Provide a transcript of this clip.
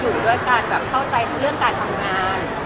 มีการที่จะเอกโทรโมทอะไรหรืออะไรกัน